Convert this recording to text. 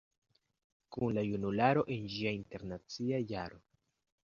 Kun la junularo, en ĝia Internacia Jaro...".